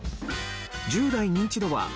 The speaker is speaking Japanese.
１０代ニンチドは。